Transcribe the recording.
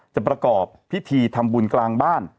ประกอบพิธีทำบุญกลางบ้าน